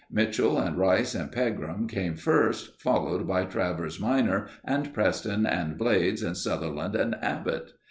Mitchell and Rice and Pegram came first, followed by Travers minor and Preston and Blades and Sutherland and Abbott.